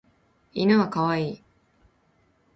犬は可愛い。